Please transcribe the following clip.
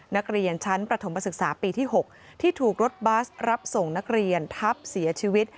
นักเรียนชั้นประถมศึกษาปีที่๖ที่ถูกรถบัสรับส่งนักเรียนทับเสียชีวิต